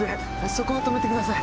そこで止めてください。